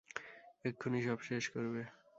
এক্ষুনি সব শেষ করবে।